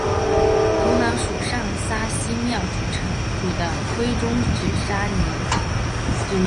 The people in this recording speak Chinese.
土壤属上沙溪庙组的灰棕紫泥土。